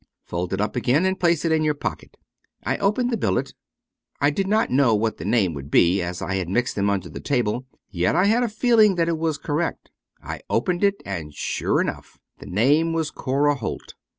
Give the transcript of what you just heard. Fold it up again and place it in your pocket." I opened the billet. I did not know what the name would be, as I had mixed them under the table ; yet I had a feel ing that it was correct. I opened it and sure enough the name was " Cora Holt."